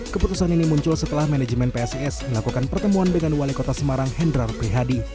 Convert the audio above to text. keputusan ini muncul setelah manajemen psis melakukan pertemuan dengan wali kota semarang hendrar prihadi